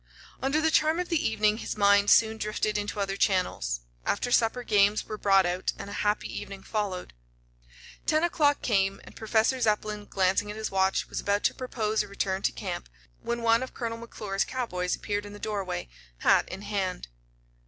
Under the charm of the evening his mind soon drifted into other channels. After supper games were brought out and a happy evening followed. Ten o'clock came, and Professor Zepplin, glancing at his watch, was about to propose a return to camp, when one of Colonel McClure's cowboys appeared in the doorway, hat in hand.